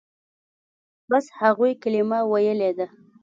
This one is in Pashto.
بس هغوى کلمه ويلې ده.